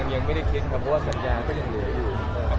ยังไม่ได้คิดว่าสัญญาคืออีกครับ